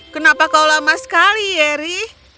kenapa kau lama sekali yeri